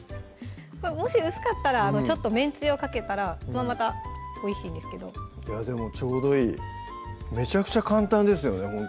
もし薄かったらちょっとめんつゆをかけたらまたおいしいんですけどいやでもちょうどいいめちゃくちゃ簡単ですよね